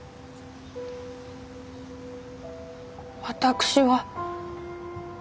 私は。